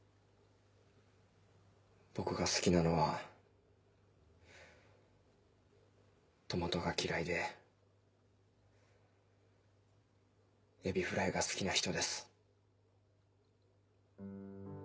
僕が好きなのはトマトが嫌いでエビフライが好きな人です。